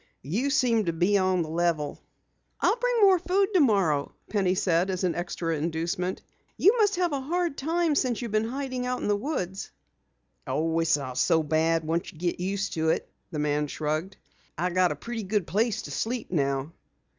"You seem to be on the level." "I'll bring more food tomorrow," Penny said as an extra inducement. "You must have had a hard time since you've been hiding out in the woods." "Oh, it's not so bad once you get used to it," the man shrugged. "I've got a pretty good place to sleep now."